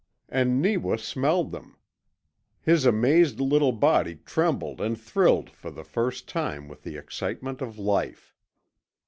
And Neewa smelled them. His amazed little body trembled and thrilled for the first time with the excitement of life.